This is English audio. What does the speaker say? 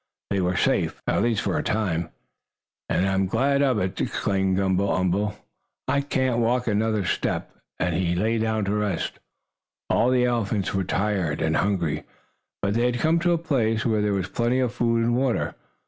They were safe, at least for a time. "And I'm glad of it!" exclaimed Gumble umble. "I can't walk another step," and he lay down to rest. All the elephants were tired, and hungry. But they had come to a place where there was plenty of food and water.